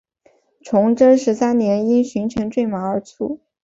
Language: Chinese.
崇祯十三年因巡城坠马而卒。